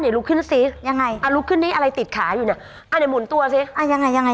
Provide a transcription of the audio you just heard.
ด้านนี่ลุกขึ้นซิอะไรติดขาอยู่นี่ให้หมุนตัวซิวันนี้หมุนตัวซิ